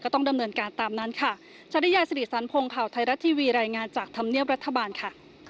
ก็ต้องดำเนินการตามนั้นค่ะ